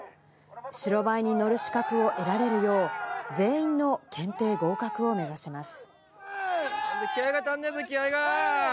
白バイに乗る資格を得られるよう、全員の検定合格を目指します。